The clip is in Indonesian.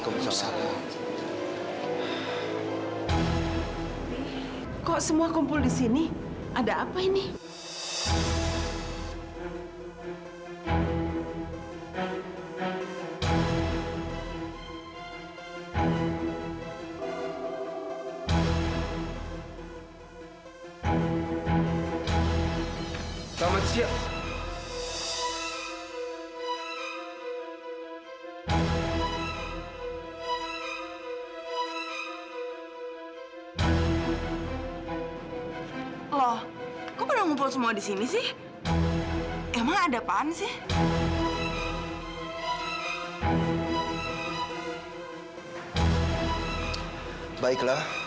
terima kasih bu ambar